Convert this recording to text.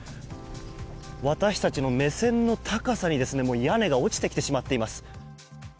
私たちの目線の高さに屋根が落ちてきてしまっています。